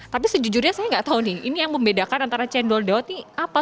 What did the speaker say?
tapi sejujurnya saya nggak tahu nih ini yang membedakan antara cendol daud ini apa